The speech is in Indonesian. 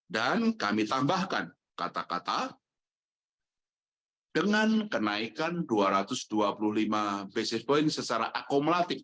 dan kami tambahkan kata kata dengan kenaikan dua ratus dua puluh lima basis point secara akumulatif